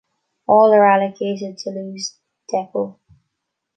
All are allocated Toulouse depot.